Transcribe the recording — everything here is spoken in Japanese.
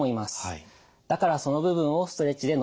だからその部分をストレッチで伸ばすんですね。